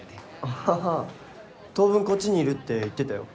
あぁ当分こっちにいるって言ってたよ。